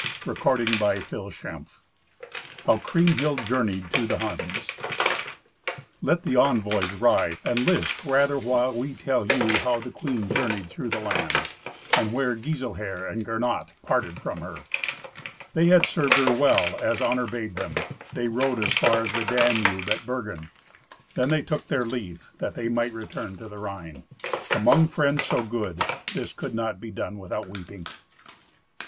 Twenty First Adventure How Kriemhild Journeyed to the Huns Let the envoys ride, and list rather while we tell you how the queen journeyed through the land, and where Giselher and Gernot parted from her. They had served her well as honour bade them. They rode as far as the Danube at Bergen; then they took their leave, that they might return to the Rhine. Among friends so good, this could not be done without weeping.